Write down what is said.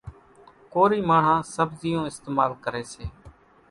ڪورِي ماڻۿان سٻزِيوُن اِستمال ڪريَ سي۔